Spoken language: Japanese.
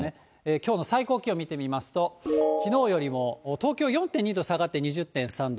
きょうの最高気温を見てみますと、きのうよりも東京４．２度下がって２０．３度。